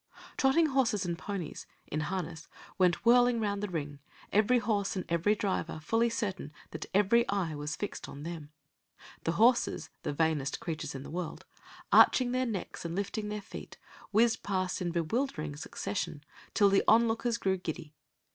Trotting horses and ponies, in harness, went whirling round the ring, every horse and every driver fully certain that every eye was fixed on them; the horses the vainest creatures in the world arching their necks and lifting their feet, whizzed past in bewildering succession, till the onlookers grew giddy.